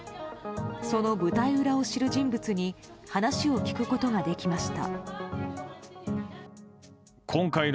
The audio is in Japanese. その舞台裏を知る人物に話を聞くことができました。